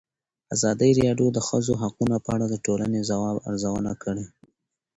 ازادي راډیو د د ښځو حقونه په اړه د ټولنې د ځواب ارزونه کړې.